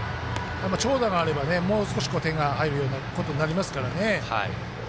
長打があればもう少し点が入るようなことになりますからね。